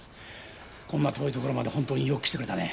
こんな遠いところまで本当によく来てくれたね。